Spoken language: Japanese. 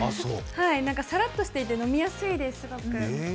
さらっとしていて飲みやすいです、すごく。